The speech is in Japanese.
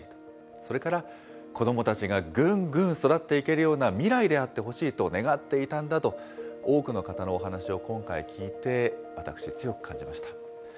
それから、子どもたちがぐんぐん育っていけるような未来であってほしいと願っていたんだと、多くの方のお話を今回聞いて、私、強く感じました。